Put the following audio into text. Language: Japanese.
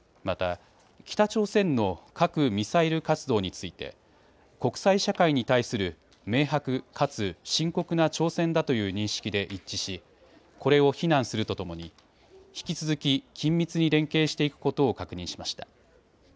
また、北朝鮮の核・ミサイル活動について国際社会に対する明白、かつ深刻な挑戦だという認識で一致しこれを非難するとともに引き続き緊密に連携していくことを確認しました。